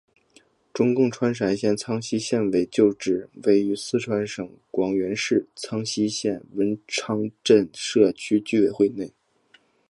中共川陕省苍溪县委旧址位于四川省广元市苍溪县文昌镇社区居委会内。